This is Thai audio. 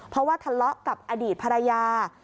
เพราะว่าทะเลาะกับอดีตภรรยา